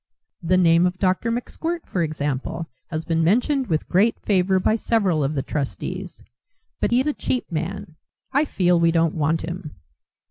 The name of Dr. McSkwirt, for example, has been mentioned with great favour by several of the trustees. But he's a cheap man. I feel we don't want him."